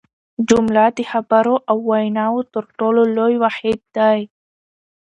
جمله د خبرو او ویناوو تر ټولو لوی واحد دئ.